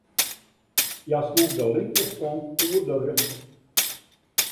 Hja sloech de linkerskonk oer de rjochter.